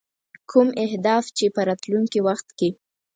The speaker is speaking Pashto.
کوم اهداف چې په راتلونکي وخت کې.